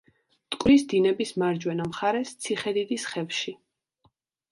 მტკვრის დინების მარჯვენა მხარეს, ციხედიდის ხევში.